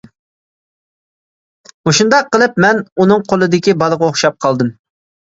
مۇشۇنداق قىلىپ مەن ئۇنىڭ قولىدىكى بالىغا ئوخشاپ قالدىم.